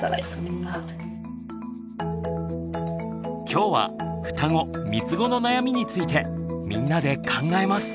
今日は「ふたご・みつごの悩み」についてみんなで考えます。